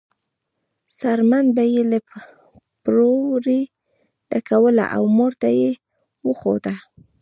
څرمن به یې له پروړې ډکوله او مور ته یې وښوده.